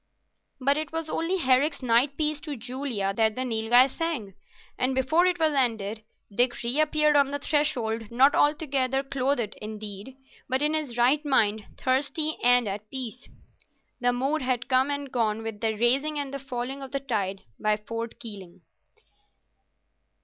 But it was only Herrick's Nightpiece to Julia that the Nilghai sang, and before it was ended Dick reappeared on the threshold, not altogether clothed indeed, but in his right mind, thirsty and at peace. The mood had come and gone with the rising and the falling of the tide by Fort Keeling.